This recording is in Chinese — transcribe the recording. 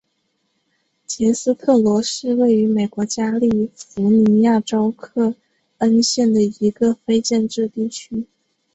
杰斯特罗是位于美国加利福尼亚州克恩县的一个非建制地区。